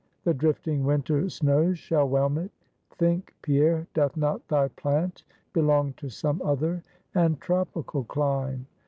The drifting winter snows shall whelm it. Think, Pierre, doth not thy plant belong to some other and tropical clime?